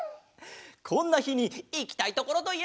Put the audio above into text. こんなひにいきたいところといえば？